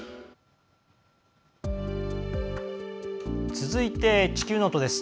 続いて「地球ノート」です。